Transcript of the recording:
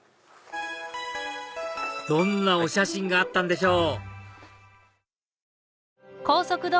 どんなお写真があったんでしょう？